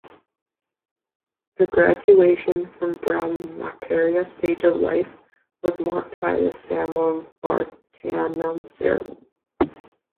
The graduation from Brahmacharya stage of life was marked by the Samavartanam ceremony.